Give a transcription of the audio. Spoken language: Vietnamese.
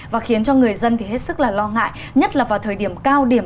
và khiến cho người dân thì hết sức là lo ngại